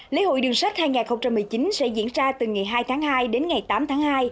lễ hội đường sách hai nghìn một mươi chín sẽ diễn ra từ ngày hai tháng hai đến ngày tám tháng hai